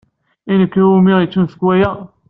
I nekk umi d-yettunefk wayen?